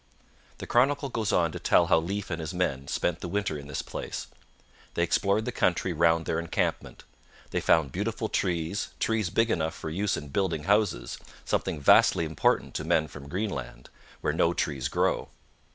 The chronicle goes on to tell how Leif and his men spent the winter in this place. They explored the country round their encampment. They found beautiful trees, trees big enough for use in building houses, something vastly important to men from Greenland, where no trees grow.